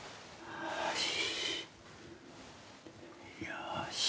よし。